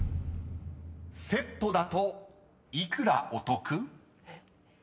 ［セットだと幾らお得？］